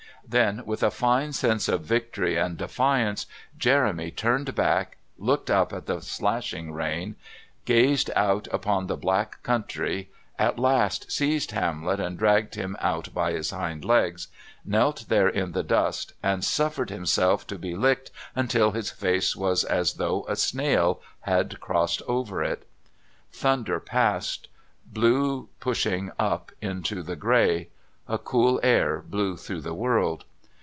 Then with a fine sense of victory and defiance Jeremy turned back, looked up at the slashing rain, gazed out upon the black country, at last seized Hamlet and dragging him out by his hind legs, knelt there in the dust and suffered himself to be licked until his face was as though a snail had crossed over it. The thunder passed. Blue pushed up into the grey. A cool air blew through the world.